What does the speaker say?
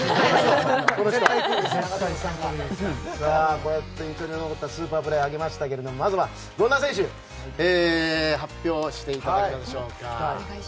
こうやって、印象に残ったスーパープレーを挙げましたがまずは権田選手発表していただきましょうか。